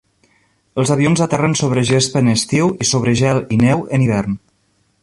Els avions aterren sobre gespa en estiu i sobre gel i neu en hivern.